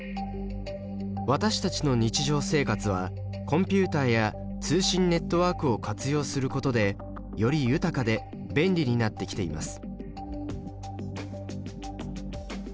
私たちの日常生活はコンピュータや通信ネットワークを活用することでより豊かで便利になってきています。